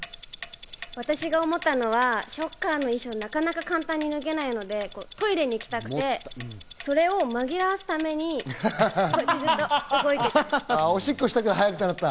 私が思ったのはショッカーの衣装、なかなか簡単に脱げないので、トイレに行きたくて、それを紛らわすためにこうやってずっと動いてた。